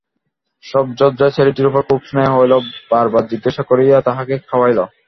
সর্বজয়ার ছেলেটির উপর খুব স্নেহ হইল-বার বার জিজ্ঞাসা করিয়া তাহাকে খাওয়াইল।